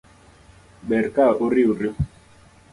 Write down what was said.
Ber ka uriuru